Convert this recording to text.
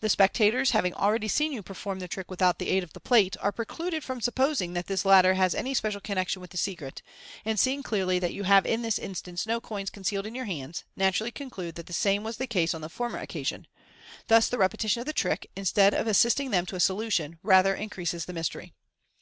The spectators, having already seen you perform the trick without the aid of the plate, are precluded from supposing that this latter has any special connection with the secret j and seeing clearly that you have in this instance no coins concealed in your hands, naturally conclude that the same was the case on the former occasion. Thus the repetition of the trick, instead of assisting them to a solu tion, rather increases the mystery.